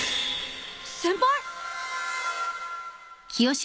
先輩？